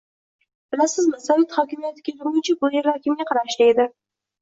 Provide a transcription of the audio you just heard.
— Bilasizmi, sovet hokimiyati kelgunicha bu yerlar kimga qarashli edi?